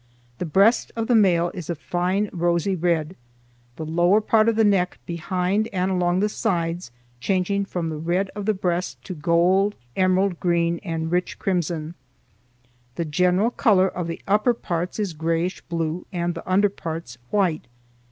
The breast of the male is a fine rosy red, the lower part of the neck behind and along the sides changing from the red of the breast to gold, emerald green and rich crimson. The general color of the upper parts is grayish blue, the under parts white.